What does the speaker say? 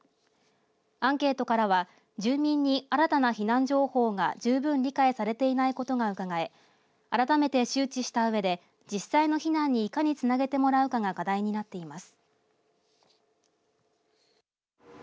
アンケートからは住民に新たな避難情報が十分理解されていないことがうかがえ改めて周知したうえで実際の避難にいかにつなげてもらうかが課題になっています。